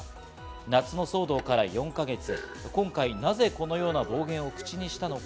夏の騒動から４か月、今回、なぜこのような暴言を口にしたのか？